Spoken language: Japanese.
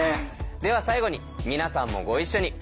では最後に皆さんもご一緒に。